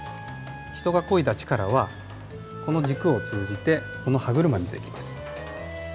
人がこいだ力はこの軸を通じてこの歯車に出てきます。